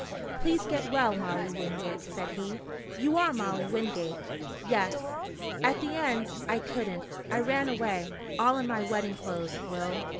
"Please get well, Molly Wingate," said he. "You are Molly Wingate?" "Yes. At the end I couldn't! I ran away, all in my wedding clothes, Will.